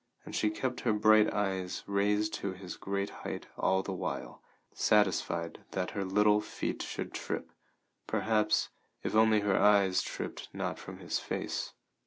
And she kept her bright eyes raised to his great height all the while, satisfied that her little feet should trip, perhaps, if only her eyes tripped not from his face.